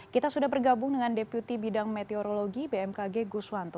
kita sudah bergabung dengan deputi bidang meteorologi bmkg guswanto